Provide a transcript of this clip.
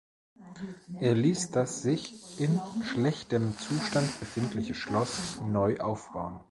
Er ließ das sich in schlechtem Zustand befindliche Schloss neu aufbauen.